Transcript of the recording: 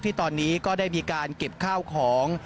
ที่ตอนนี้ก็ได้มีการเก็บข้าวของ